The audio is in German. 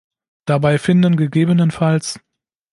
Dabei finden ggf.